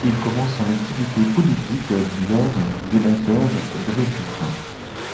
Il commence son activité politique lors de l'Affaire Dreyfus.